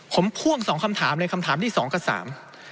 ผมพ่วง๒คำถามคำถามที่๒กับ๓